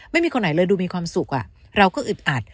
ไม่มีคนไหนเลยดูมีความสุขเราก็อึดอัด